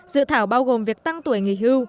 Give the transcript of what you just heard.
dự thảo bao gồm việc tăng tuổi nghỉ hưu